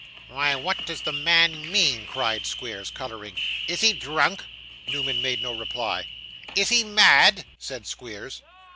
'Why, what does the man mean?' cried Squeers, colouring. 'Is he drunk?' Newman made no reply. 'Is he mad?' said Squeers.